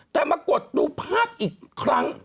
แต่มากดดูภาพอีกครั้ง